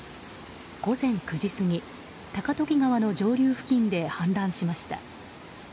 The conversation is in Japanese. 午前９時過ぎ高時川の上流付近で氾濫しました。